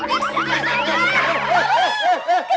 kejar kejar kejar